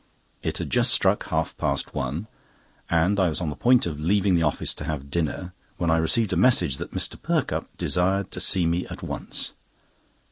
It had just struck half past one, and I was on the point of leaving the office to have my dinner, when I received a message that Mr. Perkupp desired to see me at once.